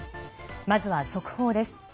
まずは速報です。